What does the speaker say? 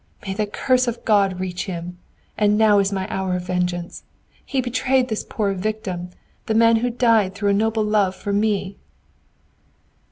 May the curse of God reach him! And now is my hour of vengeance. He betrayed this poor victim, the man who died through a noble love for me!"